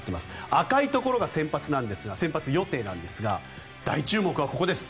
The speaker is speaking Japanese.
赤いところが先発予定なんですが大注目はここです。